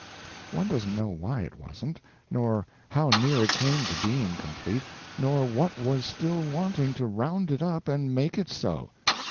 One doesn't know why it wasn't, nor how near it came to being complete, nor what was still wanting to round it up and make it so.